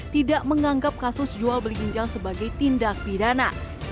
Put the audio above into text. tidak menganggap kasus jual beli ginjal sebagai tindak pidana